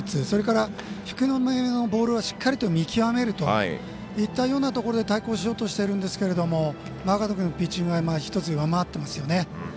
それから、低めのボールはしっかりと見極めるといったようなところで対抗しようとしてるんですがマーガード君のピッチングが１つ上回っていますよね。